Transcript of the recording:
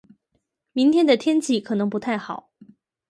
明天的天气可能不太好。